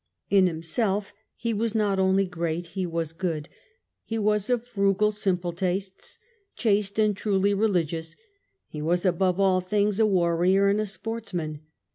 In himself he was not only great, he was good. He was of frugal, simple tastes, chaste, and truly religious. He was above all things a warrior and a sportsman.